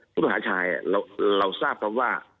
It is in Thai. ผู้ต้องหาชายเราทราบกันว่า